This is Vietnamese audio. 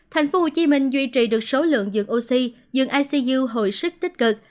tp hcm duy trì được số lượng dưỡng oxy dưỡng icu hồi sức tích cực